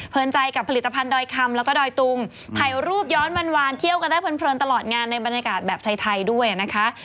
ใจกับผลิตภัณฑ์ดอยคำแล้วก็ดอยตุงถ่ายรูปย้อนวานเที่ยวกันได้เพลินตลอดงานในบรรยากาศแบบไทยด้วยนะคะ